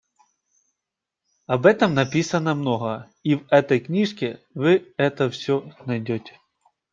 Об этом написано много, и в этой книжке вы это всё найдёте.